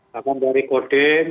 bahkan dari kodim